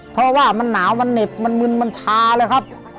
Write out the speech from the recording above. เพราะว่ามันหนาวมันเหน็บมันมึนมันชาเลยครับ